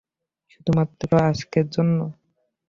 শুধুমাত্র আজকের জন্য?